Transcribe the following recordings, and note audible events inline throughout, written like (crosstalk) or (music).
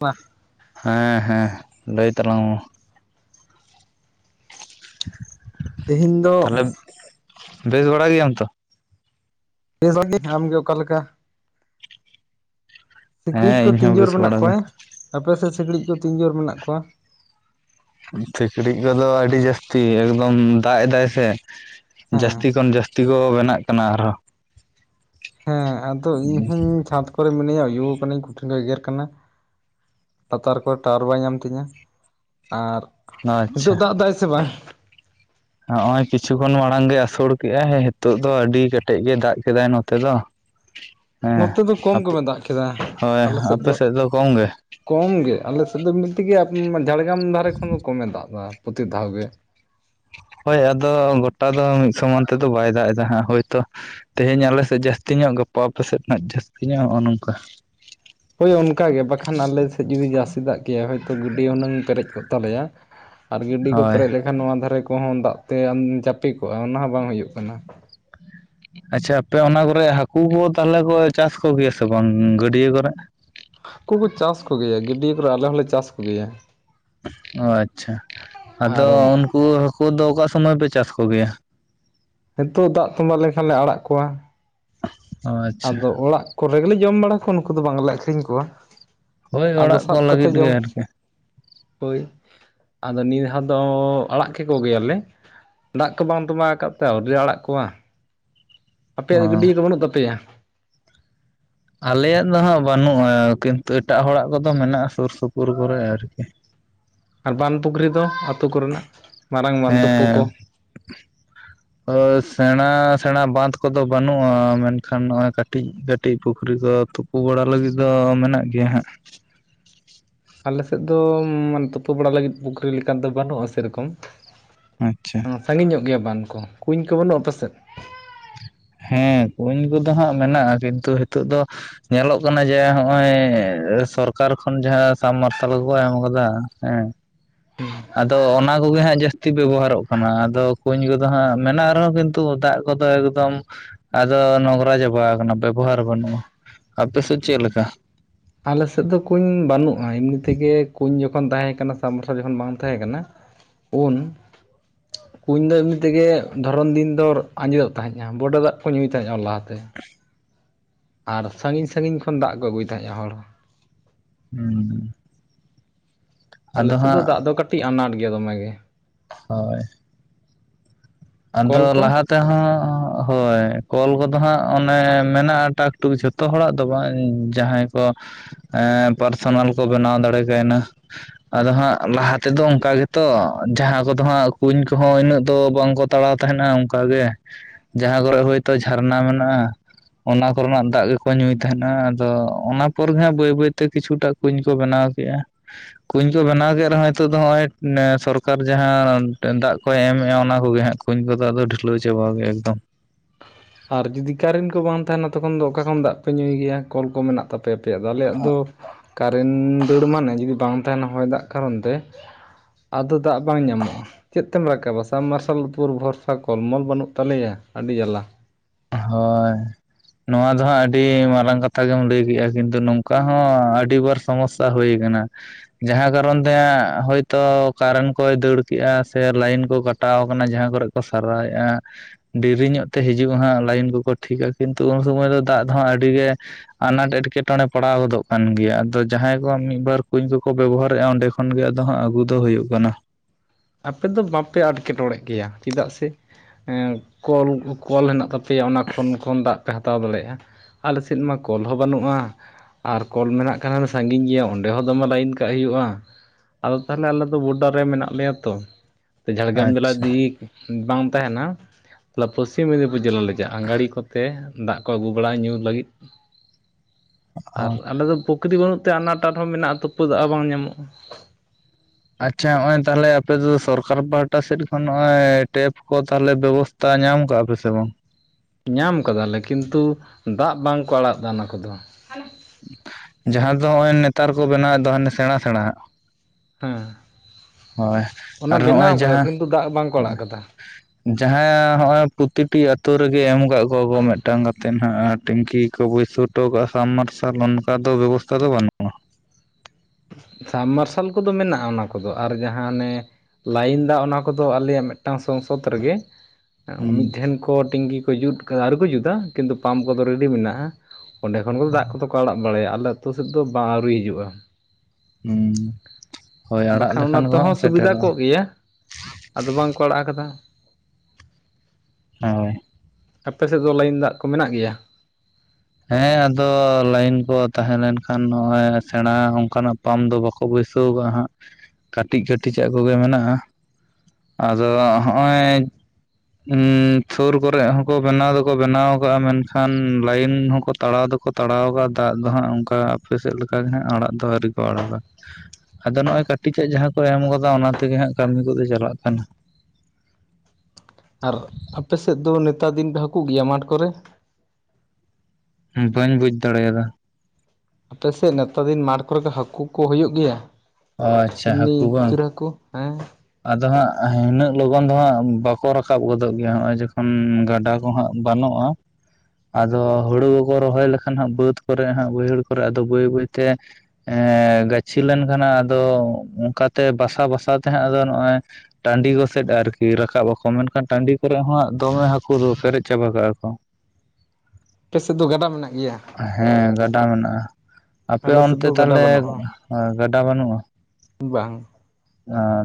ᱵᱟ ᱦᱮᱸ ᱦᱮᱸ ᱞᱟᱹᱭ ᱛᱟᱞᱟᱝ ᱢᱚ᱾ ᱛᱮᱦᱮᱧ ᱫᱚ ᱛᱷᱟᱞᱮ ᱵᱮᱥ ᱵᱟᱲᱟ ᱜᱮᱭᱟᱢ ᱛᱚ? ᱵᱮᱥ ᱟᱢ ᱜᱮ ᱚᱠᱟ ᱞᱮᱠᱟ? ᱥᱤᱠᱬᱤᱡ ᱦᱮᱸ ᱠᱚ ᱤᱧ ᱛᱤᱱ ᱦᱚᱸ ᱡᱳᱨ ᱵᱮᱥ ᱢᱮᱱᱟᱜ ᱵᱟᱲᱟ ᱜᱮ ᱠᱚᱣᱟᱭᱟ, ᱟᱯᱮᱥᱮᱫ ᱥᱤᱠᱬᱤᱡ ᱠᱚ ᱛᱤᱱ ᱡᱳᱨ ᱢᱮᱱᱟᱜ ᱠᱚᱣᱟ? ᱥᱤᱠᱬᱤᱡ ᱠᱚᱫᱚ ᱟᱹᱰᱤ ᱡᱟᱹᱥᱛᱤ ᱮᱠᱫᱚᱢ ᱫᱟᱜ ᱮᱫᱟᱭ ᱥᱮ᱾ ᱡᱟᱹᱥᱛᱤ ᱦᱮᱸ ᱠᱷᱚᱱ ᱡᱟᱹᱥᱛᱤ ᱠᱚ ᱵᱮᱱᱟᱜ ᱠᱟᱱᱟ ᱟᱨᱦᱚᱸ᱾ ᱦᱮᱸ ᱟᱫᱚ ᱤᱧᱦᱚᱧ ᱪᱷᱟᱸᱫ ᱠᱚᱨᱮ ᱢᱤᱱᱟᱹᱧᱟ ᱩᱭᱩᱣ ᱠᱟᱹᱱᱟᱹᱧ ᱠᱩᱴᱷᱤᱱ ᱠᱚ ᱜᱮᱜᱮᱨ ᱠᱟᱱᱟ᱾ ᱞᱟᱛᱟᱨ ᱠᱚᱨᱮ ᱴᱟᱣᱟᱨ ᱵᱟᱭ ᱧᱟᱢ ᱛᱤᱧᱟᱹ ᱟᱨ ᱱᱤᱛᱳᱜ ᱟᱪᱪᱷᱟ ᱫᱟᱜ ᱫᱟᱭ ᱥᱮ ᱵᱟᱝ? ᱱᱚᱜᱼᱚᱭ ᱠᱤᱪᱷᱩ ᱠᱷᱚᱱ ᱢᱟᱲᱟᱝ ᱜᱮ ᱟᱹᱥᱩᱲ ᱠᱮᱫ ᱟᱭ ᱱᱤᱛᱚᱜ ᱫᱚ ᱟᱹᱰᱤ ᱠᱮᱴᱮᱡ ᱜᱮ ᱫᱟᱜ ᱠᱮᱫᱟᱭ ᱱᱚᱛᱮ ᱫᱚ᱾ ᱦᱮᱸ ᱱᱚᱛᱮ ᱫᱚ ᱠᱚᱢ ᱦᱟᱯ ᱠᱚᱢᱮ ᱫᱟᱜ ᱠᱮᱫᱟ ᱦᱳᱭ ᱟᱯᱮ ᱥᱮᱫ ᱫᱚ ᱠᱚᱢ ᱜᱮ᱾ ᱠᱚᱢ ᱜᱮ ᱟᱞᱮ ᱥᱮᱫ ᱫᱚ ᱮᱢᱱᱤ ᱛᱮᱜᱮ ᱡᱷᱟᱲᱜᱨᱟᱢ ᱫᱷᱟᱨᱮ ᱠᱷᱚᱱ ᱦᱚ ᱠᱚᱢᱮ ᱫᱟᱜ ᱮᱫᱟ ᱯᱨᱚᱛᱤ ᱫᱷᱟᱣ ᱜᱮ᱾ ᱦᱳᱭ ᱟᱫᱚ ᱜᱚᱴᱟ ᱫᱚ ᱢᱤᱫ ᱥᱚᱢᱟᱱ ᱛᱮᱫᱚ ᱵᱟᱭ ᱫᱟᱜ ᱮᱫᱟ ᱦᱟᱸᱜ ᱦᱳᱭᱛᱚ ᱛᱮᱦᱮᱧ ᱟᱞᱮ ᱥᱮᱫ ᱡᱟᱹᱥᱛᱤ ᱧᱚᱜ ᱜᱟᱯᱟ ᱟᱯᱮ ᱥᱮᱫ ᱱᱟᱜ ᱡᱟᱹᱥᱛᱤ ᱧᱚᱜ ᱱᱚᱜᱼᱚ ᱱᱚᱝᱠᱟ᱾ ᱦᱳᱭ ᱚᱱᱠᱟᱜᱮ ᱵᱟᱠᱷᱟᱱ ᱟᱞᱮ ᱥᱮᱫ ᱡᱩᱫᱤ ᱡᱟᱹᱥᱛᱤ ᱫᱟᱜ ᱠᱮᱭᱟᱭ ᱦᱚᱭᱛᱳ ᱜᱩᱰᱭᱟᱹ ᱦᱩᱱᱟᱹᱝ ᱯᱮᱨᱮᱡ ᱠᱚᱜ ᱛᱟᱞᱮᱭᱟ᱾ ᱟᱨ ᱜᱟᱹᱰᱰᱤ ᱠᱚ ᱦᱳᱭ ᱯᱮᱨᱮᱡ ᱞᱮᱠᱷᱟᱱ ᱱᱚᱣᱟ ᱫᱷᱟᱨᱮ ᱠᱚᱦᱚᱸ ᱫᱟᱜ ᱛᱮ ᱟᱢ ᱪᱟᱯᱮ ᱠᱚᱜᱼᱟ, ᱚᱱᱟ ᱦᱚᱸ ᱵᱟᱝ ᱦᱩᱭᱩᱜ ᱠᱟᱱᱟ᱾ ᱟᱪᱪᱷᱟ ᱟᱯᱮ ᱚᱱᱟ ᱠᱚᱨᱮ ᱦᱟᱹᱠᱩ ᱠᱩᱦᱚ ᱛᱷᱟᱞᱮ ᱠᱚ ᱪᱟᱥ ᱠᱚᱜᱮᱭᱟ ᱥᱮ ᱵᱟᱝ ᱜᱟᱹᱰᱭᱟᱹ ᱠᱚᱨᱮ? ᱩᱱᱠᱩ ᱠᱩ ᱪᱟᱥ ᱠᱚᱜᱮᱭᱟ ᱜᱤᱰᱭᱟᱹ ᱠᱚᱨᱮ ᱟᱞᱮ ᱦᱚᱸᱞᱮ ᱪᱟᱥ ᱠᱚᱜᱮᱭᱟ᱾ ᱚ ᱟᱪᱪᱷᱟ ᱟᱫᱚ ᱟᱨ ᱩᱱᱠᱩ ᱦᱟᱹᱠᱩ ᱫᱚ ᱚᱠᱟ ᱥᱚᱢᱚᱭ ᱯᱮ ᱪᱟᱥ ᱠᱚᱜᱮᱭᱟ? ᱱᱤᱛᱚᱜ ᱫᱟᱜ ᱛᱚᱸᱵᱟ ᱞᱮᱱᱠᱷᱟᱱ ᱞᱮ ᱟᱲᱟᱜ ᱠᱚᱣᱟ᱾ ᱚ ᱟᱪᱪᱷᱟ ᱟᱫᱚ ᱚᱲᱟᱜ ᱠᱚᱨᱮ ᱜᱮᱞᱮ ᱡᱚᱢ ᱵᱟᱲᱟ ᱠᱚᱣᱟ ᱱᱩᱠᱩ ᱫᱚ ᱵᱟᱝᱞᱮ ᱟᱹᱠᱷᱨᱤᱧ ᱠᱚᱣᱟ᱾ ᱦᱳᱭ ᱟᱫᱚ ᱚᱲᱟᱜ ᱠᱚ ᱥᱟᱵ ᱠᱟᱛᱮ ᱞᱟᱹᱜᱤᱫ ᱜᱮ ᱡᱚᱢ, ᱟᱨᱠᱤ ᱦᱳᱭ᱾ ᱟᱫᱚ ᱱᱤᱭᱟᱹ ᱫᱷᱟᱣ ᱫᱚ ᱟᱲᱟᱜ ᱠᱮᱠᱚ ᱜᱮᱭᱟᱞᱮ᱾ ᱫᱟᱜ ᱠᱚ ᱵᱟᱝ ᱛᱵᱟᱣ ᱟᱠᱟᱫ ᱛᱮ ᱚᱨ ᱞᱮ ᱟᱲᱟᱜ ᱠᱚᱣᱟ᱾ ᱟᱯᱮᱭᱟᱜ ᱫᱚ ᱚ ᱜᱟᱹᱰᱤᱟᱹ ᱠᱚ ᱵᱟᱹᱱᱩᱜ ᱛᱟᱯᱮᱭᱟ? ᱟᱞᱮᱭᱟᱜ ᱫᱚ ᱦᱟᱸᱜ ᱵᱟᱹᱱᱩᱜᱼᱟ ᱠᱤᱱᱛᱩ ᱮᱴᱟᱜ ᱦᱚᱲᱟᱜ ᱠᱚᱫᱚ ᱢᱮᱱᱟᱜᱼᱟ ᱥᱩᱨ ᱥᱩᱯᱩᱨ ᱠᱚᱨᱮ ᱟᱨᱠᱤ ᱟᱨ ᱵᱟᱸᱫᱽ ᱯᱩᱠᱷᱨᱤ ᱫᱚ ᱟᱛᱳ ᱠᱚᱨᱮᱱᱟᱜ ᱢᱟᱨᱟᱝ ᱵᱟᱸᱫᱽᱛᱚᱯᱳ ᱦᱮᱸ ᱠᱚ ᱥᱮᱬᱟ ᱥᱮᱬᱟ ᱵᱟᱸᱫᱷ ᱠᱚᱫᱚ ᱵᱟᱹᱱᱩᱜᱼᱟ ᱢᱮᱱᱠᱷᱟᱱ ᱱᱚᱜᱼᱚᱭ ᱠᱟᱹᱴᱤᱡ ᱠᱟᱹᱴᱤᱡ ᱠᱟᱹᱴᱤᱡ ᱯᱩᱠᱷᱨᱤ ᱠᱚ ᱛᱩᱯᱩ ᱵᱟᱲᱟ ᱞᱟᱹᱜᱤᱫ ᱫᱚ ᱢᱮᱱᱟᱜ ᱜᱮᱭᱟ ᱦᱟᱸᱜ᱾ ᱟᱞᱮ ᱥᱮᱫ ᱫᱚ ᱢᱟᱱᱮ ᱛᱩᱯᱩ ᱵᱟᱲᱟ ᱞᱟᱹᱜᱤᱫ ᱯᱩᱠᱷᱨᱤ ᱞᱮᱠᱟᱱ ᱫᱚ ᱵᱟᱹᱱᱩᱜᱼᱟ ᱥᱮᱨᱚᱠᱚᱢ ᱟᱪᱪᱷᱟ ᱥᱟᱺᱜᱤᱧ ᱧᱚᱜ ᱜᱮᱭᱟ ᱵᱟᱱ ᱠᱚ ᱠᱩᱧ ᱠᱚ ᱵᱟᱹᱱᱩᱜᱼᱟ ᱟᱯᱮᱥᱮᱫ ᱦᱮᱸ ᱠᱩᱧ ᱠᱚᱫᱚ ᱦᱟᱸᱜ ᱢᱮᱱᱟᱜᱼᱟ ᱠᱤᱱᱛᱩ ᱱᱤᱛᱚᱜ ᱫᱚ ᱧᱮᱞᱚᱜ ᱠᱟᱱᱟ ᱡᱮ ᱦᱚᱜᱼᱚᱭ ᱥᱚᱨᱠᱟᱨ ᱠᱷᱚᱱ ᱡᱟᱦᱟᱸ ᱥᱟᱵᱢ ᱢᱟᱨᱥᱟᱞ ᱠᱚᱠᱚ ᱮᱢ ᱠᱟᱫᱟ ᱦᱮᱸ ᱦᱮᱸ ᱟᱫᱚ ᱚᱱᱟ ᱠᱚᱜᱮ ᱦᱟᱸᱜ ᱡᱟᱹᱥᱛᱤ ᱵᱮᱵᱚᱦᱟᱨᱚᱜ ᱠᱟᱱᱟ ᱟᱫᱚ ᱠᱩᱧ ᱠᱚᱫᱚ ᱦᱟᱸᱜ ᱢᱮᱱᱟᱜ ᱨᱮᱦᱚᱸ ᱠᱤᱱᱛᱩ ᱫᱟᱜ ᱠᱚᱫᱚ ᱮᱠᱫᱚᱢ ᱟᱫᱚ ᱱᱚᱝᱨᱟ ᱪᱟᱵᱟ ᱟᱠᱟᱱᱟ ᱵᱮᱵᱚᱦᱟᱨ ᱵᱟᱹᱱᱩᱜᱼᱟ᱾ ᱟᱯᱮᱥᱮᱫ ᱪᱮᱫ ᱞᱮᱠᱟ? ᱟᱞᱮ ᱥᱮᱫ ᱫᱚ ᱠᱩᱧ ᱵᱟᱹᱱᱩᱜᱼᱟ ᱮᱢᱱᱤ ᱛᱮᱜᱮ ᱠᱩᱧ ᱡᱚᱠᱷᱚᱱ ᱛᱟᱦᱮᱸ ᱠᱟᱱᱟ ᱥᱟᱵᱢᱟᱨᱥᱟᱞ ᱡᱚᱠᱷᱚᱱ ᱵᱟᱝ ᱛᱟᱦᱮᱸ ᱠᱟᱱᱟ ᱩᱱ ᱩᱱᱧᱫᱚ ᱮᱢᱱᱤ ᱛᱮᱜᱮ ᱫᱷᱚᱨᱚᱱ ᱫᱤᱱ ᱫᱚ ᱟᱸᱡᱮᱫᱚᱜ ᱛᱟᱦᱮᱸᱫᱼᱟ ᱵᱚᱰᱮ ᱫᱟᱜ ᱠᱚ ᱧᱩᱭ ᱛᱟᱦᱮᱸᱫ ᱞᱟᱦᱟᱛᱮ᱾ ᱟᱨ ᱥᱟᱺᱜᱤᱧ ᱥᱟᱺᱜᱤᱧ ᱠᱷᱚᱱ ᱫᱟᱜ ᱠᱚ ᱟᱹᱜᱩᱭ ᱛᱟᱦᱮᱸᱜᱼᱟ ᱦᱚᱲ᱾ ᱦᱩᱸᱻ ᱟᱞᱮ ᱥᱮᱫ ᱫᱚ ᱫᱟᱜ ᱫᱚ ᱠᱟᱹᱴᱤᱡ ᱟᱱᱟᱴ ᱜᱮᱭᱟ ᱫᱚᱢᱮᱜᱮ ᱦᱳᱭ ᱠᱚᱞ ᱟᱫᱚ ᱠᱚ ᱞᱟᱦᱟ ᱛᱮᱦᱚᱸ ᱦᱳᱭ ᱠᱚᱞ ᱠᱚᱫᱚ ᱦᱟᱸᱜ ᱚᱱᱮ ᱢᱮᱱᱟᱜᱼᱟ ᱴᱟᱠ ᱴᱩᱠ ᱡᱷᱚᱛᱚ ᱡᱚᱛᱚ ᱦᱚᱲᱟᱜ ᱫᱚ ᱵᱟᱝ ᱡᱟᱦᱟᱸᱭ ᱠᱚ ᱯᱟᱨᱥᱚᱱᱟᱞ ᱠᱚ ᱵᱮᱱᱟᱣ ᱫᱟᱲᱮ ᱠᱟᱭᱮᱱᱟ ᱟᱫᱚ ᱦᱟᱸᱜ ᱞᱟᱦᱟ ᱛᱮᱫᱚ ᱚᱱᱠᱟ ᱜᱮᱛᱚ ᱡᱟᱦᱟᱸ ᱠᱚᱫᱚ ᱦᱟᱸᱜ ᱠᱩᱧ ᱠᱚᱦᱚᱸ ᱩᱱᱟᱹᱜ ᱫᱚ ᱵᱟᱝ ᱠᱚ ᱛᱟᱲᱟᱣ ᱛᱟᱦᱮᱱᱟ ᱚᱱᱠᱟᱜ ᱜᱮ ᱡᱟᱦᱟᱸ ᱠᱚᱨᱮᱜ ᱦᱳᱭᱛᱳ ᱡᱷᱟᱨᱱᱟ ᱢᱮᱱᱟᱜᱼᱟ᱾ ᱚᱱᱟ ᱠᱚᱨᱮᱱᱟᱜ ᱫᱟᱜ ᱜᱮᱠᱚ ᱧᱩᱭ ᱛᱟᱦᱮᱱᱟ ᱟᱫᱚ ᱚᱱᱟ ᱯᱚᱨ ᱜᱮ ᱦᱟᱸᱜ ᱵᱟᱹᱭ ᱵᱟᱹᱭᱛᱮ ᱠᱤᱪᱷᱩᱴᱟ ᱠᱩᱧ ᱠᱚ ᱵᱮᱱᱟᱣ ᱠᱮᱫᱼᱟ᱾ ᱠᱩᱧ ᱠᱚ ᱵᱮᱱᱟᱣ ᱠᱮᱫ ᱨᱮᱦᱚᱸ ᱱᱤᱛᱚᱜ ᱫᱚ ᱱᱚᱜ ᱚᱭ ᱥᱚᱨᱠᱟᱨ ᱡᱟᱦᱟᱸ ᱫᱟᱜ ᱠᱚᱭ ᱮᱢᱮᱫᱼᱟ ᱚᱱᱟ ᱠᱚᱜᱮ ᱦᱜ ᱠᱚ ᱠᱩᱧ ᱠᱚᱫᱚ ᱟ ᱫᱚ ᱰᱷᱤᱞᱟᱹᱣ ᱪᱟᱵᱟ ᱜᱮ ᱮᱠᱫᱚᱢ᱾ ᱟᱨ ᱡᱩᱫᱤ ᱠᱟᱨᱮᱱᱴ ᱠᱚ ᱵᱟᱝ ᱛᱟᱦᱮᱱᱟ ᱛᱚᱠᱷᱚᱱ ᱫᱚ ᱚᱠᱟ ᱠᱷᱚᱱ ᱫᱟᱜ ᱯᱮ ᱧᱩᱭ ᱜᱮᱭᱟ ᱠᱚᱞ ᱠᱚ ᱢᱮᱱᱟᱜ ᱛᱟᱯᱮ ᱯᱮ ᱯᱮᱭᱟᱜ ᱫᱚ ᱟᱞᱮᱭᱟᱜ ᱫᱚ ᱠᱟᱨᱮᱱᱴ ᱫᱟᱹᱲ ᱢᱟᱱᱮ ᱡᱩᱫᱤ ᱵᱟᱝ ᱛᱟᱦᱮᱱᱟ ᱦᱚᱭ ᱫᱟᱜ ᱠᱟᱨᱚᱱ ᱛᱮ ᱟᱫᱚ ᱫᱟᱜ ᱵᱟᱝ ᱧᱟᱢᱚᱜᱼᱟ᱾ ᱪᱮᱫ ᱛᱮᱢ ᱨᱟᱠᱟᱵᱟ ᱥᱟᱢᱼᱢᱟᱨᱥᱟᱞ ᱩᱯᱩᱨ ᱵᱷᱚᱨᱥᱟ ᱠᱚᱞᱢᱚᱞ ᱵᱟᱹᱱᱩᱜ ᱛᱟᱞᱮᱭᱟ, ᱟᱹᱰᱤ ᱡᱟᱞᱟ᱾ ᱦᱳᱭ ᱱᱚᱣᱟ ᱫᱚ ᱦᱟᱸᱜ ᱟᱹᱰᱤ ᱢᱟᱨᱟᱝ ᱠᱟᱛᱷᱟ ᱜᱮᱢ ᱞᱟᱹᱭ ᱠᱮᱜᱼᱟ ᱠᱤᱱᱛᱩ ᱱᱚᱝᱠᱟ ᱦᱚᱸ ᱟᱹᱰᱤ ᱵᱟᱨ ᱥᱚᱢᱚᱥᱥᱟ ᱦᱩᱭ ᱠᱟᱱᱟ᱾ ᱡᱟᱦᱟᱸ ᱠᱟᱨᱚᱱ ᱛᱮ ᱟᱸ ᱦᱚᱳᱭᱛᱚ ᱠᱟᱨᱮᱱᱴ ᱠᱚᱭ ᱫᱟᱹᱲ ᱠᱮᱜᱼᱟ ᱥᱮ ᱞᱟᱭᱤᱱ ᱠᱚ ᱠᱟᱴᱟᱣ ᱠᱟᱱᱟ ᱡᱟᱦᱟᱸ ᱠᱚᱨᱮ ᱠᱚ ᱥᱟᱨᱟᱣᱮᱫᱼᱟ ᱰᱮᱨᱤ ᱧᱚᱜ ᱛᱮ ᱦᱤᱡᱩᱜᱼᱼ ᱛᱚ ᱦᱟᱸᱜ ᱞᱟᱭᱤᱱ ᱠᱚᱠᱚ ᱴᱷᱤᱠᱟ ᱠᱤᱱᱛᱩ ᱩᱱ ᱥᱚᱢᱚᱭ ᱫᱚ ᱫᱟᱜ ᱫᱚ ᱦᱟᱜ ᱟᱹᱰᱤ ᱜᱮᱼᱼ ᱟᱱᱟᱴ ᱮᱴᱠᱮᱴᱚᱬᱮ ᱯᱟᱲᱟᱣ ᱜᱚᱫᱚᱜ ᱠᱟᱱ ᱜᱮᱭᱟ ᱟᱫᱚ ᱡᱟᱦᱟᱸᱭ ᱠᱚ ᱢᱤᱫ ᱵᱟᱨ ᱠᱩᱧ ᱠᱚᱠᱚ ᱵᱮᱵᱚᱦᱟᱨᱮᱫᱼᱟ ᱚᱸᱰᱮ ᱩᱱ ᱜᱮ ᱟᱫᱚ ᱦᱟᱸᱜ ᱟᱹᱜᱩ ᱫᱚ ᱦᱩᱭᱩᱜ ᱠᱟᱱᱟ᱾ ᱟᱯᱮ ᱫᱚ ᱵᱟᱯᱮ ᱟᱸᱴᱠᱮᱴᱚᱬᱮᱜ ᱜᱮᱭᱟ ᱪᱮᱫᱟᱜ ᱥᱮ ᱮᱸ ᱠᱚᱞ ᱠᱚᱞ ᱦᱮᱱᱟᱜ ᱛᱟᱯᱮᱭᱟ ᱚᱱᱟ ᱠᱷᱚᱱ ᱠᱷᱚᱱ ᱫᱟᱜ ᱯᱮ ᱦᱟᱛᱟᱣ ᱫᱟᱲᱮᱭᱟᱜᱼᱟ᱾ ᱟᱞᱮ ᱥᱮᱫ ᱢᱟ ᱠᱚᱞ ᱦᱚᱸ ᱵᱟᱹᱱᱩᱜᱼᱟ᱾ ᱟᱨ ᱠᱚᱞ ᱢᱮᱱᱟᱜ ᱠᱷᱟᱱ ᱥᱟᱺᱜᱤᱧ ᱜᱮᱭᱟ ᱚᱸᱰᱮ ᱦᱚᱸ ᱫᱚᱢᱮ ᱞᱟᱭᱤᱱ ᱠᱟᱜ ᱦᱩᱭᱩᱜᱼᱟ᱾ ᱟᱫᱚ ᱛᱟᱦᱚᱞᱮ ᱟᱞᱮ ᱫᱚ ᱵᱚᱰᱟᱨ ᱨᱮ ᱢᱮᱱᱟᱜ ᱞᱮᱭᱟ ᱡᱷᱟᱲᱜᱨᱟᱢ ᱡᱮᱞᱟ ᱟᱪᱪᱷᱟ ᱡᱩᱫᱤ ᱵᱟᱝ ᱛᱟᱦᱮᱱᱟ ᱛᱟᱦᱚᱞᱮ ᱯᱚᱥᱪᱤᱢ ᱢᱮᱫᱽᱱᱤᱯᱩᱨ ᱡᱮᱞᱟ ᱞᱟᱹᱜᱤᱫ ᱡᱮ ᱟᱸᱜᱟᱲᱤ ᱠᱚᱛᱮ ᱫᱟᱜ ᱠᱚ ᱟᱹᱜᱩ ᱵᱟᱲ ᱧᱩ ᱞᱟᱹᱜᱤᱫ᱾ ᱟᱨ ᱦᱚᱸ ᱟᱞᱮ ᱫᱚ ᱯᱚᱠᱨᱤ ᱵᱟᱹᱱᱩᱜ ᱛᱮ ᱟᱱᱟᱴ ᱟᱨ ᱦᱚᱸ ᱢᱮᱱᱟᱜᱼᱟ ᱛᱩᱯᱩᱫᱟᱜᱼᱟ ᱵᱟᱝ ᱧᱟᱢᱚᱜᱼᱟ ᱟᱪᱪᱷᱟ ᱱᱚᱜᱼᱚᱭ ᱛᱟᱦᱚᱞᱮ ᱟᱯᱮ ᱫᱚ ᱥᱚᱨᱠᱟᱨ ᱯᱟᱦᱴᱟ ᱥᱮᱫ ᱠᱷᱚᱱ ᱱᱚᱜᱼᱚᱭ ᱴᱮᱯ ᱠᱚ ᱛᱟᱦᱚᱞᱮ ᱵᱮᱵᱚᱥᱛᱟᱼᱼ ᱛᱟ ᱧᱟᱢ ᱠᱟᱜᱼᱟ ᱯᱮ ᱥᱮ ᱵᱟᱝ? ᱧᱟᱢ ᱠᱟᱫᱟᱞᱮ ᱠᱤᱱᱛᱩ ᱫᱟᱜ ᱵᱟᱝᱠᱚ ᱟᱲᱟᱜ ᱫᱟ ᱚᱱᱟ ᱠᱚᱫᱚ᱾ ᱡᱟᱦᱟᱸ ᱫᱚ ᱱᱚᱜᱼᱚᱭ ᱱᱮᱛᱟᱨ ᱠᱚ ᱵᱮᱱᱟᱣᱮᱫ ᱫᱚ ᱦᱟᱱᱮ ᱥᱮᱬᱟ ᱥᱮᱬᱟ ᱟᱜ ᱦᱮᱸ ᱦᱳᱭ ᱚᱱᱟ ᱟᱨ ᱱᱚᱜᱼᱚᱭ ᱵᱮᱱᱟᱣ ᱠᱟᱫᱟ ᱡᱟᱦᱟᱸ ᱠᱤᱱᱛᱩ ᱫᱟᱜ ᱵᱟᱝᱠᱚ ᱦᱳᱭ ᱟᱲᱟᱜ ᱠᱟᱫᱟ ᱡᱟᱦᱟᱸ ᱦᱚᱜ-ᱚᱭ ᱯᱨᱚᱛᱤᱴᱤ ᱟᱛᱳ ᱨᱮᱜᱮ ᱮᱢ ᱟᱠᱟᱫ ᱠᱚᱣᱟ ᱠᱚ ᱢᱤᱫᱴᱟᱝ ᱠᱟᱛᱮᱜ ᱦᱟᱜ ᱟᱨ ᱴᱮᱝᱠᱤ ᱠᱚ ᱵᱟᱹᱭᱥᱟ. ᱣ ᱛᱚ ᱥᱟᱵ ᱢᱟᱨᱥᱟᱞ ᱚᱱᱠᱟ ᱫᱚ ᱵᱮᱵᱚᱥᱛᱷᱟ ᱫᱚ ᱵᱟᱹᱱᱩᱜᱼᱟ ᱥᱟᱵᱢᱟᱨᱥᱟᱞ ᱠᱚᱫᱚ ᱢᱮᱱᱟᱜᱼᱟ ᱚᱱᱟ ᱠᱚᱫᱚ ᱟᱨ ᱡᱟᱦᱟᱸᱚᱱᱮ ᱞᱟᱭᱤᱱ ᱫᱟᱜ ᱚᱱᱟ ᱠᱚᱫᱚ ᱟᱞᱮᱭᱟᱜ ᱢᱤᱫᱴᱟᱝ ᱥᱚᱝᱥᱚᱫᱽ ᱨᱮᱜᱮ ᱢᱤᱫ ᱦᱩᱸ ᱴᱷᱮᱱ ᱠᱚ ᱴᱮᱝᱠᱤ ᱠᱚ ᱡᱩᱛ ᱠᱟᱫᱟ ᱟᱨᱣᱨᱤ ᱠᱚ ᱡᱩᱛᱟ ᱠᱤᱱᱛᱩ ᱯᱟᱢᱯ ᱠᱚᱫᱚ ᱨᱮᱰᱤ ᱢᱮᱱᱟᱜᱼᱟ ᱚᱸᱰᱮ ᱠᱷᱚᱱᱜᱮ ᱫᱟᱜ ᱠᱚᱫᱚ ᱠᱚ ᱟᱲᱟᱜ ᱵᱟᱲᱮᱭᱟᱜ ᱟ ᱟᱞᱮ ᱟᱹᱛᱳ ᱥᱮᱫ ᱫᱚ ᱵᱟᱝ ᱟᱹᱣᱨᱤ ᱦᱤᱡᱩᱜᱼᱟ ᱦᱩᱸ ᱦᱳᱭ ᱟᱲᱟᱜ ᱵᱟᱠᱷᱟᱱ ᱚᱱᱟ ᱞᱮᱠᱷᱟᱱ ᱠᱚ ᱦᱟᱸᱜ ᱛᱮᱦᱚᱸ ᱥᱩᱵᱤᱫᱷᱟ ᱥᱮᱴᱮᱨᱚᱜᱼᱟ ᱠᱚᱜ ᱜᱮᱭᱟ, ᱟᱫᱚ ᱵᱟᱝ ᱠᱚ ᱟᱲᱟᱜ ᱠᱟᱫᱟ᱾ ᱦᱳᱭ ᱟᱯᱮ ᱥᱮᱫ ᱫᱚ ᱞᱟᱭᱤᱱ ᱫᱟᱜ ᱠᱚ ᱢᱮᱱᱟᱜ ᱜᱮᱭᱟ? ᱦᱮᱸ ᱟᱫᱚ ᱞᱟᱭᱤᱱ ᱠᱚ ᱛᱟᱦᱮᱸ ᱞᱮᱱᱠᱷᱟᱱ ᱱᱚᱜᱼᱚᱭ ᱥᱮᱬᱟ ᱚᱱᱠᱟᱱᱟᱜᱼᱼ ᱯᱟᱢ ᱫᱚ ᱵᱟᱠᱚ ᱵᱟᱹᱭᱥᱟᱹᱣ ᱠᱟᱜᱼᱟ ᱦᱟᱸᱜ, ᱠᱟᱹᱴᱤᱡ ᱠᱟᱹᱴᱤᱡ ᱟᱜ ᱠᱚᱜᱮ ᱢᱮᱱᱟᱜᱼᱟ᱾ ᱟᱫᱚ ᱦᱚᱜᱼᱚᱭ ᱩᱸᱥᱩᱨ ᱠᱚᱨᱮ ᱦᱚᱸᱠᱚ ᱵᱮᱱᱟᱣ ᱫᱚᱠᱚ ᱵᱮᱱᱟᱣ ᱠᱟᱜ-ᱟ ᱢᱮᱱᱠᱷᱟᱱ ᱞᱟᱭᱤᱱ ᱦᱚᱸ ᱠᱚ ᱛᱟᱲᱟᱣ ᱫᱚᱠᱚ ᱛᱟᱲᱟᱣ ᱠᱟᱜ ᱫᱟᱜ ᱫᱚ ᱦᱟᱸᱜ ᱚᱱᱠᱟ ᱟᱯᱮ ᱥᱮᱫᱞᱮᱠᱟ ᱜᱮ ᱦᱟᱸᱜ ᱟᱲᱟᱜ ᱫᱚ ᱟᱹᱣᱨᱤ ᱠᱚ ᱟᱲᱟᱜᱟ᱾ ᱟᱫᱚ ᱱᱚᱜ-ᱚᱭ ᱠᱟᱹᱴᱤᱡᱟᱜ ᱡᱟᱦᱟᱸ ᱠᱚ ᱮᱢ ᱟᱠᱟᱫᱟ, ᱚᱱᱟ ᱛᱮᱜᱮ ᱦᱟᱸᱜ ᱠᱟᱹᱢᱤ ᱠᱚᱫᱚ ᱪᱟᱞᱟᱜ ᱠᱟᱱᱟ᱾ ᱟᱨ ᱟᱯᱮ ᱥᱮᱫ ᱫᱚ ᱱᱮᱛᱟᱨ ᱫᱤᱱ ᱯᱮ ᱦᱟᱹᱠᱩ ᱜᱮᱭᱟ ᱢᱟᱴᱷ ᱠᱚᱨᱮ? ᱦᱩᱸ ᱵᱟᱹᱧ ᱵᱩᱡ ᱫᱟᱲᱮᱭᱟᱫᱟ᱾ ᱟᱯᱮᱥᱮᱫ ᱱᱮᱛᱟᱨ ᱫᱤᱱ ᱢᱟᱴ ᱠᱚᱨᱮ ᱫᱚ ᱦᱟᱹᱠᱩ ᱠᱚ ᱦᱩᱭᱩᱜ ᱜᱮᱭᱟ ᱚ ᱟᱪᱪᱷᱟ ᱮᱢᱱᱤ ᱦᱟᱹᱠᱩ ᱵᱟᱝ ᱠᱷᱩᱪᱨᱟᱹ ᱦᱟᱹᱠᱩ? ᱦᱮᱸ ᱟᱫᱚ ᱦᱟᱸᱜ ᱦᱤᱱᱟᱹᱜ ᱞᱚᱜᱚᱱ ᱫᱚ ᱦᱟᱸᱜ ᱵᱟᱠᱚ ᱨᱟᱠᱟᱵ ᱜᱚᱫᱚᱜ ᱜᱮᱭᱟ᱾ ᱦᱚᱜᱼᱚᱭ ᱡᱚᱠᱷᱚᱱ ᱜᱟᱰᱟᱼᱼ ᱠᱚ ᱦᱟᱸᱜ ᱵᱟᱹᱱᱚᱜᱼᱟ ᱟᱫᱚ ᱦᱩᱲᱩ ᱠᱚᱠᱚ ᱨᱚᱦᱚᱭ ᱞᱮᱠᱷᱟᱱ ᱦᱟᱸᱜ ᱵᱟᱹᱫᱽ ᱠᱚᱨᱮᱜ ᱦᱟᱜ ᱵᱟᱹᱭᱦᱟᱹᱲ ᱠᱚᱨᱮ ᱟᱫᱚ ᱵᱟᱹᱭ ᱵᱟᱹᱭᱛᱮ ᱮ ᱜᱟᱹᱪᱷᱤ ᱞᱮᱱᱠᱷᱟᱱ ᱦᱟᱸᱜ ᱟᱫᱚ ᱚᱱᱠᱟᱛᱮ ᱵᱟᱥᱟ ᱵᱟᱥᱟ ᱛᱮ ᱦᱟᱸᱜ ᱟᱫᱚ ᱱᱚᱜᱼᱚᱭ ᱴᱟᱺᱰᱤ ᱜᱚᱥᱮᱡ ᱟᱨᱠᱤ ᱨᱟᱠᱟᱵ ᱟᱠᱚ ᱢᱮᱱᱠᱷᱟᱱ ᱴᱟᱺᱰᱤ ᱠᱚᱨᱮ ᱦᱚᱸ ᱫᱚᱢᱮ ᱦᱟᱹᱠᱩ ᱫᱚ ᱯᱮᱨᱮᱡ ᱪᱟᱵᱟ ᱠᱟᱜᱼᱟ ᱠᱚ᱾ ᱟᱯᱮ ᱥᱮᱫ ᱫᱚ ᱜᱟᱰᱟ ᱢᱮᱱᱟᱜ ᱜᱮᱭᱟ? ᱦᱮᱸ ᱜᱟᱰᱟ ᱢᱮᱱᱟᱜᱼᱟ ᱟᱯᱮ ᱟᱞᱮ ᱥᱮᱫ ᱚᱱᱛᱮ ᱫᱚ ᱜᱟᱰᱟ ᱛᱟᱦᱚᱞᱮ ᱵᱟᱹᱱᱩᱜᱼᱟ ᱜᱟᱰᱟ ᱵᱟᱹᱱᱩᱜᱼᱟ? ᱵᱟᱝ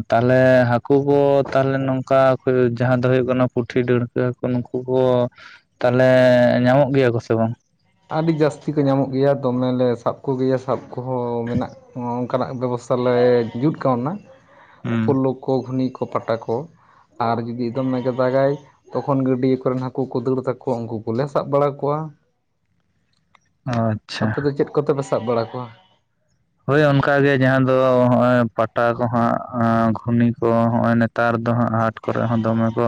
ᱛᱟᱦᱞᱮ ᱦᱟᱹᱠᱩ ᱠᱚ ᱛᱟᱦᱞᱮ ᱱᱚᱝᱠᱟ ᱡᱟᱦᱟᱸ ᱫᱚ ᱦᱩᱭᱩᱜ ᱠᱟᱱᱟ ᱯᱩᱴᱷᱤ ᱰᱟᱹᱲᱠᱟ. ᱼᱼ ᱤᱪᱟ ᱦᱟᱠᱩ ᱠᱚ ᱱᱩᱠᱩ ᱠᱚ ᱛᱟᱞᱦᱮ ᱧᱟᱢᱚᱜ ᱜᱮᱭᱟ ᱠᱚ ᱥᱮ ᱵᱟᱝ? ᱟᱹᱰᱤ ᱡᱟᱹᱥᱛᱤ ᱠᱚ ᱧᱟᱢᱚᱜ ᱜᱮᱭᱟ ᱫᱚᱢᱮ ᱞᱮ ᱥᱟᱵ ᱠᱚᱜᱮᱭᱟ ᱥᱟᱵ ᱠᱚᱦᱚᱸ ᱢᱮᱱᱟᱜᱼᱼ ᱚᱸ ᱚᱝᱠᱟᱱᱟᱜ ᱵᱮᱵᱚᱥᱛᱷᱟ ᱞᱮ ᱡᱩᱛ ᱠᱟᱣᱱᱟ᱾ ᱦᱩᱸ ᱯᱳᱞᱞᱳ ᱠᱚ ᱜᱷᱩᱱᱤ ᱠᱚ ᱯᱟᱴᱟ ᱠᱚ ᱟᱨ ᱡᱩᱫᱤ ᱫᱚᱢᱮ ᱜᱮ ᱫᱟᱜᱟᱭ ᱛᱚᱠᱷᱚᱱ ᱜᱟᱹᱰᱭᱟᱹ ᱠᱚᱨᱮᱱ ᱦᱟᱹᱠᱩ ᱠᱚ ᱫᱟᱹᱲ ᱛᱟᱠᱚᱣᱟ ᱩᱱᱠᱩ ᱠᱚᱞᱮ ᱥᱟᱵ ᱵᱟᱲᱟ ᱠᱚᱣᱟ᱾ ᱦᱳᱭ ᱟᱯᱮ ᱫᱚ ᱪᱮᱫ ᱠᱚᱛᱮᱯᱮ ᱥᱟᱵ ᱵᱟᱲᱟ ᱠᱚᱣᱟ? ᱦᱳᱭ ᱚᱱᱠᱟᱜᱮ ᱡᱟᱦᱟᱸ ᱫᱚ ᱦᱚᱜᱼᱚᱭ ᱯᱟᱴᱟ ᱠᱚ ᱦᱟᱸᱜ ᱜᱷᱩᱱᱤ ᱠᱚ ᱦᱚᱸᱜᱼᱚᱭ ᱱᱮᱛ ᱱᱮᱛᱟᱨ ᱫᱚ ᱦᱟᱸᱜ ᱦᱟᱴ ᱠᱚᱨᱮ ᱦᱚᱸ ᱫᱚᱢᱮ ᱠᱚᱼᱼ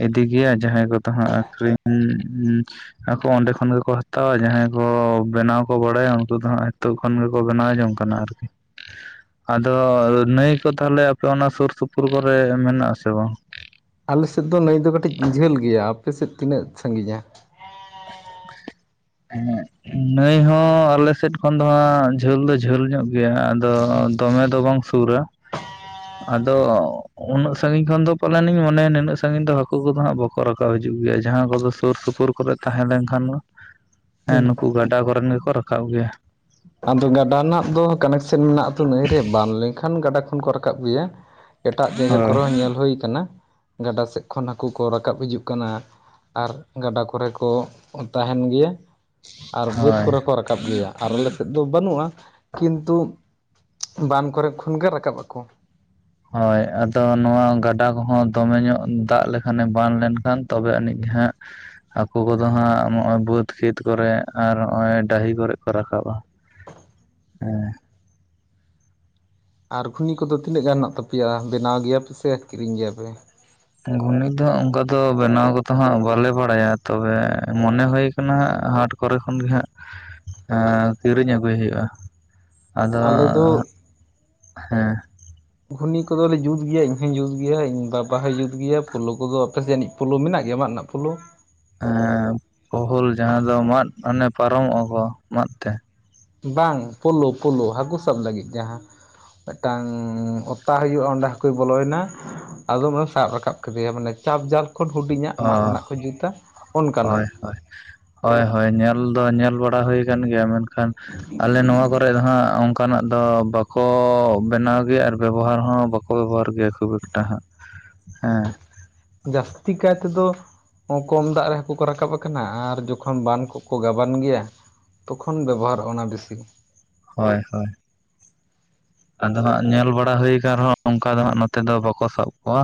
ᱤᱫᱤ ᱜᱮᱭᱟ ᱡᱟᱦᱟᱸᱭ ᱠᱚ ᱛᱟᱦᱟᱸᱜ ᱟᱠᱷᱨᱤᱧ ᱟᱠᱚ ᱚᱸᱰᱮ ᱠᱷᱚᱱ ᱜᱮᱠᱚ ᱦᱟᱛᱟᱣᱟ᱾ ᱡᱟᱦᱟᱸᱭ ᱠᱚ ᱵᱮᱱᱟᱣ ᱠᱚ ᱵᱟᱲᱟᱭᱟ, ᱩᱱᱠᱩ ᱫᱚ ᱦᱟᱸᱜ ᱱᱤᱛᱚᱜ ᱠᱷᱚᱱ ᱜᱮᱠᱚᱼᱼ ᱵᱮᱱᱟᱣ ᱡᱚᱝ ᱠᱟᱱᱟ ᱟᱨᱠᱤ ᱟᱫᱚ ᱱᱟᱹᱭ ᱠᱚ ᱛᱟᱦᱞᱮ ᱟᱯᱮ ᱚᱱᱟ ᱥᱩᱨ ᱥᱩᱯᱩᱨ ᱠᱚᱨᱮ ᱢᱮᱱᱟᱜ ᱟᱥᱮ ᱵᱟᱝ? ᱟᱞᱮ ᱥᱮᱫ ᱫᱚ ᱱᱟ. ᱭ ᱫᱚ ᱠᱟᱹᱴᱤᱡ ᱡᱷᱟᱹᱞ ᱜᱮᱭᱟ᱾ ᱟᱯᱮ ᱥᱮᱫ ᱛᱤᱱᱟᱹᱜ ᱥᱟᱺᱜᱤᱧᱟ? ᱩᱦᱮᱸᱜ ᱱᱟᱹᱭ ᱦᱚᱸ ᱟᱞᱮ ᱥᱮᱫ ᱠᱷᱚᱱ ᱫᱚ ᱦᱟᱸᱜ ᱡᱷᱟᱹᱞ ᱫᱚ ᱡᱷᱟᱹᱞ ᱧᱚᱜ ᱜᱮᱭᱟ ᱟᱫᱚ ᱫᱚᱢᱮ ᱫᱚ ᱵᱟᱝ ᱥᱩᱨᱟ ᱟᱫᱚ ᱩᱱᱟᱹᱜ ᱥᱟᱺᱜᱤᱧ ᱠᱷᱚᱱ ᱫᱚ ᱯᱟᱞᱮᱱᱤᱧ ᱢᱚᱱᱮᱭᱟ ᱱᱤᱱᱟᱜ ᱥᱟᱺᱜᱤᱧ ᱫᱚ ᱦᱟᱹᱠᱩ ᱠᱚᱫᱚ ᱦᱟᱸᱜ ᱵᱟᱠ ᱠᱚ ᱨᱟᱠᱟᱵ ᱦᱤᱡᱩᱜ ᱜᱮᱭᱟ ᱡᱟᱦᱟᱸ ᱠᱚᱫᱚ ᱥᱩᱨ ᱥᱩᱯᱩᱨ ᱠᱚᱨᱮ ᱛᱟᱦᱮᱸ ᱞᱮᱱᱠᱷᱟᱱ ᱫᱚ᱾ ᱦᱮᱸ ᱱᱩᱠᱩ ᱜᱟᱰᱟ ᱠᱚᱨᱮᱱ ᱜᱮᱠᱚ ᱨᱟᱠᱟᱵ ᱜᱮᱭᱟ᱾ ᱟᱫᱚ ᱜᱟᱰᱟ ᱨᱮᱱᱟᱜ ᱫᱚ ᱠᱟᱱᱮᱠᱥᱮᱱ ᱢᱮᱱᱟᱜ ᱟᱛᱚ ᱱᱟᱹᱭ ᱨᱮ ᱵᱟᱱ ᱞᱮᱱᱠᱷᱟᱱ ᱜᱟᱰᱟ ᱠᱷᱚᱱ ᱠᱚ ᱨᱟᱠᱟᱵ ᱜᱮᱭᱟ᱾ ᱮᱴᱟᱜ ᱡᱟᱭᱜᱟ ᱠᱚᱨᱮ ᱦᱳᱭ ᱦᱚᱸ ᱧᱮᱞ ᱦᱩᱭ ᱟᱠᱟᱱᱟ, ᱜᱟᱰᱟ ᱥᱮᱫ ᱠᱷᱚᱱ ᱦᱟᱹᱠᱩ ᱠᱚ ᱨᱟᱠᱟᱵ ᱦᱤᱡᱩᱜ ᱠᱟᱱᱟ᱾ ᱟᱨ ᱜᱟᱰᱟ ᱠᱚᱨᱮ ᱠᱚ ᱛᱟᱸᱦᱮᱱ ᱜᱮᱭᱟ ᱟᱨ ᱵᱟᱹᱫᱽ ᱦᱳᱭ ᱠᱚᱨᱮ ᱠᱚ ᱨᱟᱠᱟᱵ ᱜᱮᱭᱟ, ᱟᱨᱞᱮ ᱡᱳᱠ ᱵᱟᱹᱱᱩᱜᱼᱟ ᱠᱤᱱᱛᱩ ᱵᱟᱱ ᱠᱚᱨᱮ ᱠᱷᱚᱱᱜᱮ ᱨᱟᱠᱟᱵ ᱟᱠᱚ᱾ ᱦᱳᱭ ᱟᱫᱚ ᱱᱚᱣᱟ ᱜᱟᱰᱟ ᱠᱚᱦᱚᱸ ᱫᱚᱢᱮ ᱧᱚᱜ ᱫᱟᱜ ᱞᱮᱠᱷᱟᱱᱮ ᱵᱟᱱ ᱞᱮᱱᱠᱷᱟᱱ, ᱛᱚᱵᱮ ᱟᱹᱱᱤᱡ ᱦᱟᱸᱜ ᱦᱟᱹᱠᱩ ᱠᱚᱫᱚ ᱦᱟᱸᱜ ᱱᱚᱜᱚᱭ ᱵᱟᱹᱫᱽ ᱠᱷᱮᱛ ᱠᱚᱨᱮᱜ ᱟᱨ ᱱᱚᱜᱚᱭ ᱰᱟᱹᱦᱤ ᱠᱚᱨᱮᱜ ᱠᱚ ᱨᱟᱠᱟᱵ-ᱟ᱾ ᱦᱩ ᱟᱨ ᱜᱷᱩᱱᱤ ᱠᱚᱫᱚ ᱛᱤᱱᱟᱹᱜ ᱜᱟᱱ ᱦᱮᱱᱟᱜ ᱛᱟᱯᱮᱭᱟ ᱵᱮᱱᱟᱣ ᱜᱮᱭᱟ ᱯᱮ ᱥᱮ ᱠᱤᱨᱤᱧ ᱜᱮᱭᱟ ᱯᱮ ᱜᱷᱩᱱᱤ ᱫᱚ ᱚᱱᱠᱟ ᱫᱚ ᱵᱮᱱᱟᱣ ᱠᱚᱫᱚ ᱦᱟᱸᱜ ᱵᱟᱞᱮ ᱵᱟᱲᱟᱭᱟ ᱛᱚᱵᱮ ᱢᱚᱱᱮ ᱦᱳᱭ ᱟᱠᱟᱱᱟ ᱦᱟᱴ ᱠᱚᱨᱮ ᱠᱷᱚᱱ ᱜᱮ ᱦᱟᱸᱜ ᱠᱤᱨᱤᱧ ᱟᱹᱜᱩᱭ ᱦᱩᱭᱩᱜᱼᱟ ᱟᱫᱚ ᱟᱞᱮ ᱫᱚ ᱦᱮᱸ ᱜᱷᱩᱱᱤ ᱠᱚᱫᱚ ᱞᱮ ᱡᱩᱛ ᱜᱮᱭᱟ ᱤᱧ ᱦᱚᱧ ᱡᱩᱛ ᱜᱮᱭᱟ ᱤᱧ ᱵᱟᱵᱟ ᱦᱚᱭ ᱡᱩᱛ ᱜᱮᱭᱟ ᱯᱩᱞᱳ ᱠᱚᱫᱚ ᱟᱯᱮᱥᱮᱱᱤᱡ ᱯᱷᱩᱞᱳ ᱢᱮᱱᱟᱜ ᱜᱮᱭᱟ ᱢᱟᱹᱫ ᱨᱮᱱᱟᱜ ᱯᱷᱩᱞᱳ ᱯᱳᱞ ᱡᱟᱦᱟᱸ ᱫᱚ ᱢᱟᱫ ᱢᱟᱱᱮ ᱯᱟᱨᱚᱢᱚᱜᱼᱟ ᱠᱚ ᱢᱟᱫ ᱛᱮ ᱵᱟᱝ ᱯᱳᱞᱳ (unintelligible) ᱯᱳᱞᱳ ᱦᱟᱹᱠᱩ ᱥᱟᱵ ᱞᱟᱹᱜᱤᱫ ᱡᱟᱦᱟᱸ᱾ ᱢᱤᱫᱴᱟᱝ ᱚᱛᱟ ᱦᱩᱭᱩᱜᱼᱟ ᱚᱸᱰᱮ ᱦᱟᱹᱠᱩ ᱵᱚᱞᱚᱭ-ᱮᱱᱟ᱾ ᱟᱫᱚᱢᱮ ᱥᱟᱵ ᱨᱟᱠᱟᱵ ᱠᱮᱫᱮᱭᱟ ᱢᱟᱱᱮ ᱪᱟᱯ ᱡᱟᱞ ᱠᱷᱚᱱ ᱦᱩᱰᱤᱧᱟᱜ ᱚ ᱢᱟᱫᱽ ᱨᱮᱱᱟᱜ ᱠᱚ ᱡᱩᱛᱟ ᱚᱱᱠᱟᱱᱟᱜ᱾ ᱦᱳᱭ ᱦᱳᱭ ᱦᱳᱭ ᱦᱳᱭ ᱧᱮᱞ ᱫᱚ ᱧᱮᱞ ᱵᱟᱲᱟ ᱦᱩᱭ ᱟᱠᱟᱱ ᱜᱮᱭᱟ, ᱢᱮᱱᱠᱷᱟᱱ ᱟᱞᱮ ᱱᱚᱣᱟ ᱠᱚᱨᱮ ᱫᱚ ᱦᱟᱸᱜ ᱚᱱᱠᱟ ᱚᱱᱠᱟᱱᱟᱜ ᱫᱚ ᱵᱟᱠᱚ ᱵᱮᱱᱟᱣ ᱜᱮᱭᱟ ᱟᱨ ᱵᱮᱵᱚᱦᱟᱨ ᱦᱚᱸ ᱵᱟᱠᱚ ᱵᱮᱵᱚᱦᱟᱨ ᱜᱮᱭᱟ ᱠᱷᱩᱵ ᱮᱠᱴᱟ ᱦᱟᱸᱜ᱾ ᱦᱮᱸ ᱡᱟᱹᱥᱛᱤ ᱠᱟᱭ ᱛᱮᱫᱚ ᱠᱚᱢ ᱫᱟᱜ ᱨᱮ ᱦᱟᱹᱠᱩ ᱠᱚ ᱨᱟᱠᱟᱵ ᱟᱠᱟᱱᱟ ᱟᱨ ᱡᱚᱠᱷᱚᱱ ᱵᱟᱱ ᱠᱚ ᱠᱚ ᱜᱟᱵᱟᱱ ᱜᱮᱭᱟ ᱛᱚᱠᱷᱚᱱ ᱵᱮᱵᱚᱦᱟᱨᱚᱜᱼᱟ ᱚᱱᱟ ᱵᱮᱥᱤ ᱦᱳᱭ ᱦᱳᱭ ᱟᱫᱚ ᱦᱟᱸᱜ ᱧᱮᱞ ᱵᱟᱲᱟ ᱦᱩᱭ ᱟᱠᱟᱱ ᱨᱮᱦᱚᱸ ᱚᱱᱠᱟ ᱫᱚ ᱦᱟᱸᱜ ᱱᱚᱛᱮ ᱫᱚ ᱵᱟᱠᱚ ᱥᱟᱵ ᱠᱚᱣᱟ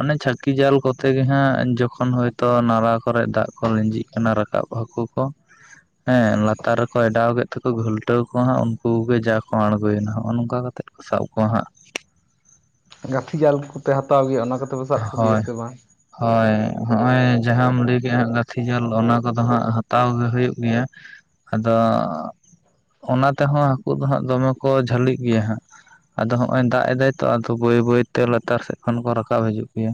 ᱚᱱᱮ ᱪᱷᱟᱹᱠᱤ ᱡᱟᱞ ᱠᱚ ᱛᱮ ᱜᱮ ᱦᱟᱸᱜ ᱡᱚᱠᱷᱚᱱ ᱦᱳᱭᱚᱛ ᱱᱟᱞᱟ ᱠᱚᱨᱮ ᱫᱟᱜ ᱠᱚ ᱞᱤᱸᱡᱤᱜ ᱠᱟᱱᱟ ᱨᱟᱠᱟᱵ ᱦᱟᱹᱠᱩ ᱠᱚ ᱦᱮᱸ ᱞᱟᱛᱟᱨ ᱨᱮᱠᱚ ᱮᱰᱟᱣ ᱠᱮᱫ ᱛᱮ ᱠᱚ ᱜᱷᱩᱞᱴᱟᱹᱣ ᱠᱚᱣᱟ ᱦᱟᱸᱜ ᱩᱱᱠᱩ ᱜᱮ ᱡᱟ ᱠᱚ ᱟᱬᱜᱚᱭᱮᱱᱟ ᱦᱚᱜᱼᱚ ᱱᱚᱝᱠᱟ ᱠᱟᱛᱮᱫ ᱠᱚ ᱥᱟᱵ ᱠᱚᱣᱟ ᱦᱟᱸᱜ ᱜᱟᱹᱛᱷᱤ ᱡᱟᱞ ᱠᱚ ᱯᱮ ᱦᱟᱛᱟᱣ ᱜᱮ ᱚᱱᱟ ᱯᱮ ᱥᱟᱵ ᱠᱚᱜᱮᱭᱟ ᱦᱳᱭ ᱥᱮ ᱵᱟᱝ ᱦᱳᱭ ᱦᱚᱸᱜᱼᱚᱭ ᱡᱟᱦᱟᱸᱢ ᱞᱟᱹᱭ ᱠᱮᱫ-ᱟ ᱦᱟᱸᱜ ᱜᱟᱹᱛᱷᱤ ᱡᱟᱞ ᱚᱱᱟ ᱠᱚᱫᱚ ᱦᱟᱸᱜ ᱦᱟᱛᱟᱣ ᱜᱮ ᱦᱩᱭᱩᱜ ᱜᱮᱭᱟ ᱟᱫᱚ ᱚᱱᱟ ᱛᱮᱦᱚᱸ ᱦᱟᱹᱠᱩ ᱫᱚ ᱦᱟᱸᱜ ᱫᱚᱢᱮ ᱠᱚ ᱡᱷᱟᱹᱞᱤᱜ ᱜᱮᱭᱟ ᱦᱟᱸᱜ ᱟᱫᱚ ᱦᱚᱸᱜ ᱚᱭ ᱫᱟᱜ ᱮᱫᱟᱭ ᱛᱚ ᱟᱫᱚ ᱵᱟᱹᱭ ᱵᱟᱹᱭ ᱛᱮ ᱞᱟᱛᱟᱨ ᱥᱮᱫ ᱠᱷᱚᱱ ᱠᱚ ᱨᱟᱠᱟᱵ ᱠᱟᱵ ᱦᱤᱡᱩᱜ ᱜᱮᱭᱟ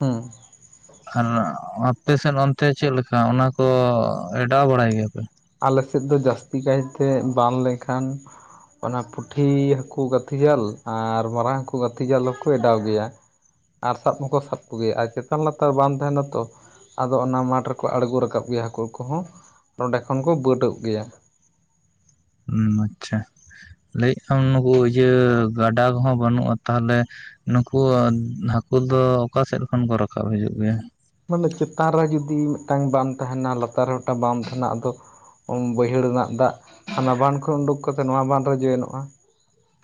ᱦᱮᱸ ᱟᱯᱮ ᱥᱮᱫ ᱚᱱᱛᱮ ᱪᱮᱫ ᱞᱮᱠᱟ ᱚᱱᱟ ᱠᱚ ᱮᱰᱟᱣ ᱵᱟᱲᱟᱭ ᱜᱮᱭᱟ ᱯᱮ ᱟᱞᱮ ᱥᱮᱫ ᱫᱚ ᱡᱟᱹᱥᱛᱤ ᱠᱟᱭ ᱛᱮ ᱵᱟᱱ ᱞᱮᱠᱷᱟᱱ ᱚᱱᱟ ᱯᱩᱴᱷᱤ ᱦᱟᱹᱠᱩ ᱜᱟᱛᱷᱤ ᱡᱟᱞ ᱟᱨ ᱢᱟᱨᱟᱝ ᱦᱟᱹᱠᱩ ᱜᱟᱛᱷᱤ ᱡᱟᱞ ᱦᱚᱸᱠᱚ ᱚᱰᱟᱣ ᱜᱮᱭᱟ ᱟᱨ ᱥᱟᱵ ᱦᱚᱸᱠᱚ ᱥᱟᱵ ᱠᱚ ᱜᱮᱭᱟ ᱟᱨ ᱪᱮᱛᱟᱱ ᱞᱟᱛᱟᱨ ᱵᱟᱱ ᱛᱟᱦᱮᱸᱱᱟ ᱛᱚ ᱟᱫᱚ ᱚᱱᱟ ᱢᱟᱴᱷ ᱨᱮᱠᱚ ᱟᱲᱜᱚ ᱨᱟᱠᱟᱵ ᱜᱮᱭᱟ ᱦᱟᱹᱠᱩ ᱠᱚᱦᱚᱸ ᱱᱚᱸᱰᱮ ᱠᱷᱚᱱ ᱠᱚ ᱵᱟᱹᱰᱟᱹᱜ ᱜᱮᱭᱟ ᱟᱪᱪᱷᱟ ᱞᱟᱹᱭᱮᱜ ᱟᱢ ᱱᱩᱠᱩ ᱤᱭᱟᱹ ᱜᱟᱰᱟ ᱠᱚᱦᱚᱸ ᱵᱟᱹᱱᱩᱜᱼᱟ ᱛᱟᱦᱚᱞᱮ ᱱᱩᱠᱩ ᱦᱟᱹᱠᱩ ᱫᱚ ᱚᱠᱟ ᱥᱮᱫ ᱠᱷᱚᱱ ᱠᱚ ᱨᱟᱠᱟᱵ ᱦᱤᱡᱩᱜ ᱜᱮᱭᱟ ᱢᱟᱱᱮ ᱪᱮᱛᱟᱱ ᱨᱮ ᱡᱩᱫᱤ ᱢᱤᱫᱴᱟᱝ ᱵᱟᱢ ᱛᱟᱦᱮᱱᱟ ᱞᱟᱛᱟᱨ ᱨᱮ ᱢᱤᱫᱴᱟᱝ ᱵᱟᱢ ᱛᱟᱦᱮᱱᱟ ᱟᱫᱚ ᱵᱟᱹᱭᱦᱟᱹᱲ ᱨᱮᱱᱟᱜ ᱫᱟᱜ ᱚᱱᱟ ᱵᱟᱸᱫᱷ ᱠᱷᱚᱱ ᱩᱰᱩᱠ ᱠᱟᱛᱮᱫ ᱱᱚᱣᱟ ᱵᱟᱸᱫᱷ ᱨᱮ ᱡᱚᱭᱮᱱᱚᱜᱼᱟ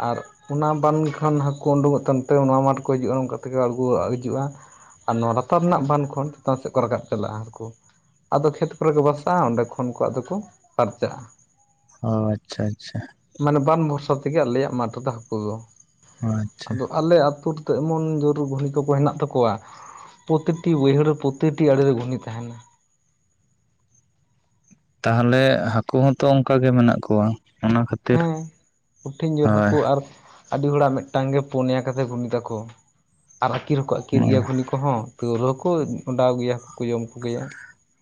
ᱟᱨ ᱚᱱᱟ ᱵᱟᱱ ᱠᱷᱚᱱ ᱦᱟᱹᱠᱩ ᱩᱰᱩᱠᱚᱜ ᱛᱮ ᱱᱚᱣᱟ ᱢᱟᱴ ᱠᱚ ᱦᱤᱡᱩᱜᱼᱟ ᱱᱚᱝᱠᱟ ᱛᱮᱜᱮ ᱟᱬᱜᱚ ᱦᱤᱡᱩᱜᱼᱟ ᱟᱨ ᱱᱚᱣᱟ ᱞᱟᱛᱟᱨ ᱨᱮᱱᱟᱜ ᱵᱟᱸᱫᱷ ᱠᱷᱚᱱ ᱪᱮᱛᱟᱱ ᱥᱮᱫ ᱠᱚ ᱨᱟᱠᱟᱵ ᱪᱟᱞᱟᱜᱼᱟ ᱦᱟᱸᱠᱳ ᱟᱫᱚ ᱠᱷᱮᱛ ᱠᱚᱨᱮ ᱠᱚ ᱵᱟᱥᱟᱜᱼᱟ ᱚᱸᱰᱮ ᱠᱷᱚᱱ ᱠᱚ ᱟᱫᱚ ᱠᱚ ᱯᱟᱨᱪᱟᱜᱼᱟ ᱚ ᱟᱪᱪᱷᱟ ᱟᱪᱪᱷᱟ ᱢᱟᱱᱮ ᱵᱟᱱ ᱵᱷᱚᱨᱥᱟ ᱛᱮᱜᱮ ᱟᱞᱮᱭᱟᱜ ᱢᱟᱴᱷ ᱨᱮᱫᱚ ᱦᱟᱹᱠᱩ ᱫᱚ ᱚ ᱟᱪᱪᱷᱟ ᱟᱫᱚ ᱟᱞᱮ ᱟᱹᱛᱩ ᱮᱢᱚᱱ ᱡᱳᱨ ᱜᱷᱩᱱᱤ ᱠᱚᱠᱚ ᱦᱮᱱᱟᱜ ᱛᱟᱠᱚᱣᱟ ᱯᱨᱚᱛᱤᱠᱴᱤ ᱵᱟᱹᱭᱦᱟᱹᱲ ᱨᱮᱼᱼ ᱯᱨᱚᱛᱤᱴᱤ ᱟᱲᱮᱨᱮ ᱜᱷᱩᱱᱤ ᱛᱟᱦᱮᱸᱱᱟ ᱛᱟᱦᱚᱞᱮ ᱦᱟᱹᱠᱩ ᱦᱚᱸᱛᱚ ᱚᱱᱠᱟ ᱜᱮ ᱢᱮᱱᱟᱜ ᱠᱚᱣᱟ ᱚᱱᱟ ᱠᱷᱟᱹᱛᱤᱨ ᱦᱮᱸ ᱠᱩᱴᱷᱤᱱ ᱡᱳᱨ ᱦᱳᱭ ᱦᱟᱹᱠᱩ ᱟᱨ ᱟᱹᱰᱤ ᱦᱚᱲᱟᱜ ᱢᱤᱫᱴᱟᱝ ᱜᱮ ᱯᱩᱱᱭᱟ ᱠᱟᱛᱮ ᱜᱷᱩᱱᱤ ᱛᱟᱠᱚ ᱟᱨ ᱟᱹᱠᱤᱨᱠᱚ ᱟᱹᱠᱤᱨ ᱜᱮᱭᱟ ᱜᱷᱩᱱᱤ ᱠᱚ ᱠᱚᱦᱚᱸ ᱛᱟᱹᱣᱨᱮᱦᱚ ᱠᱚ ᱚᱸᱰᱟᱣ ᱜᱮᱭᱟ ᱦᱟᱹᱠᱩ ᱠᱚ ᱡᱚᱢ ᱠᱚᱜᱮᱭᱟ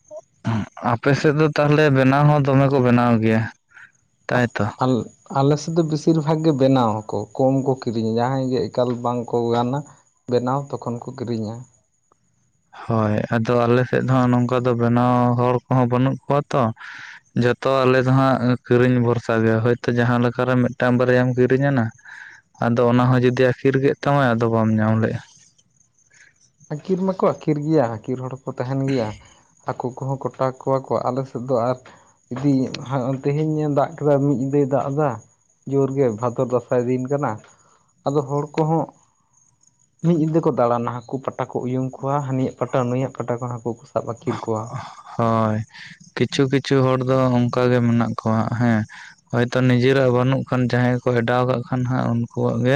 (unintelligible) ᱟᱯᱮ ᱥᱮᱫ ᱫᱚ ᱛᱟᱦᱞᱮ ᱵᱮᱱᱟᱣ ᱦᱚᱸ ᱫᱚᱢᱮ ᱠᱚ ᱵᱮᱱᱟᱣ ᱜᱮᱭᱟ, ᱛᱟᱭᱛᱚ? ᱟᱞ ᱟᱞᱮᱥᱮᱫ ᱫᱚ ᱵᱮᱥᱤᱨ ᱵᱷᱟᱜ ᱜᱮ ᱵᱮᱱᱟᱣᱟ ᱠᱚ ᱠᱚᱢ ᱠᱚ ᱠᱤᱨᱤᱧᱟ ᱡᱟᱦᱟᱸᱭ ᱜᱮ ᱮᱠᱟᱞ ᱵᱟᱝ ᱠᱚ ᱜᱟᱱᱟ᱾ ᱵᱮᱱᱟᱣ ᱛᱚᱠᱷᱚᱱ ᱠᱚ ᱠᱤᱨᱤᱧᱟ ᱦᱳᱭ ᱟᱫᱚ ᱟᱞᱮ ᱥᱮᱫ ᱫᱚ ᱦᱟᱸᱜ ᱱᱚᱝᱠᱟ ᱫᱚ ᱵᱮᱱᱟᱣ ᱦᱚᱲ ᱠᱚᱦᱚᱸ ᱵᱟᱹᱱᱩᱜ ᱠᱚᱣᱟ ᱛᱚ ᱡᱷᱚᱛᱚ ᱟᱞᱮ ᱫᱚ ᱦᱟᱸᱜ ᱠᱤᱨᱤᱧ ᱵᱷᱚᱨᱥᱟ ᱜᱮ ᱦᱳᱭᱛᱳ ᱡᱟᱦᱟᱸ ᱞᱮᱠᱟᱨᱮ ᱢᱤᱫᱴᱟᱱ ᱵᱟᱨᱭᱟᱢ ᱠᱤᱨᱤᱧ ᱟᱱᱟ ᱟᱫᱚ ᱚᱱᱟ ᱦᱚᱸ ᱡᱩᱫᱤ ᱟᱹᱠᱤᱨ ᱠᱮᱫ ᱛᱟᱢᱟ ᱟᱫᱚ ᱵᱟᱢ ᱧᱟᱢ ᱞᱮᱫᱟ ᱟᱹᱠᱤᱨ ᱢᱟᱠᱚ ᱟᱹᱠᱤᱨ ᱜᱮᱭᱟ ᱟᱹᱠᱤᱨ ᱦᱚᱲ ᱠᱚ ᱛᱟᱦᱮᱸᱱ ᱜᱮᱭᱟ᱾ ᱦᱟᱠᱩ ᱠᱚᱦᱚᱸ ᱠᱚᱴᱨᱟ ᱠᱚᱣᱟ ᱠᱚ ᱟᱞᱮ ᱥᱮᱫ ᱫᱚ ᱟᱨ ᱡᱤᱫᱤ (unintelligible) ᱛᱮᱦᱮᱧ ᱫᱟᱜ ᱠᱮᱫᱟ ᱢᱤᱫ ᱧᱤᱫᱟᱹᱭ ᱫᱟᱜ ᱮᱫᱟ ᱡᱳᱨᱜᱮ ᱵᱷᱟᱫᱚᱨ ᱫᱟᱸᱥᱟᱭ ᱫᱤᱱ ᱠᱟᱱᱟ ᱟᱫᱚ ᱦᱚᱲ ᱠᱚᱦᱚᱸ ᱢᱤᱫ ᱧᱤᱫᱟᱹ ᱠᱚ ᱫᱟᱬᱟᱱᱟ ᱦᱟᱹᱠᱩ ᱯᱟᱴᱟ ᱠᱚ ᱩᱭᱩᱝ ᱠᱚᱣᱟ ᱦᱟᱹᱱᱤᱭᱟᱜ ᱯᱟᱴᱟ ᱱᱩᱭᱟᱜ ᱯᱟᱴᱟ ᱠᱷᱚᱱ ᱦᱟᱹᱠᱩ ᱠᱚ ᱥᱟᱵ ᱟᱹᱠᱤᱨ ᱠᱚᱣᱟ ᱦᱳᱭ ᱠᱤᱪᱷᱩ ᱠᱤᱪᱷᱩ ᱦᱚᱲ ᱫᱚ ᱚᱱᱠᱟᱜᱮ ᱢᱮᱱᱟᱜ ᱠᱚᱣᱟ ᱦᱮᱸ ᱦᱚᱭᱛᱚ ᱱᱤᱡᱮᱨᱟᱜ ᱵᱟᱹᱱᱩᱜ ᱠᱷᱟᱱ ᱡᱟᱦᱟᱸᱭ ᱠᱚ ᱮᱰᱟᱣ ᱟᱠᱟᱫ ᱠᱷᱟᱱ ᱦᱟᱸᱜ ᱩᱱᱠᱩᱣᱟᱜ ᱜᱮ